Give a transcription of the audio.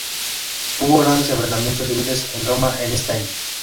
Hubo grandes enfrentamientos civiles en Roma en este año.